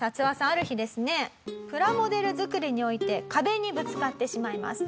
ある日ですねプラモデル作りにおいて壁にぶつかってしまいます。